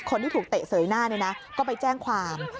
คนที่ถูกเตะเสยหน้าเนี่ยนะก็ไปแจ้งความ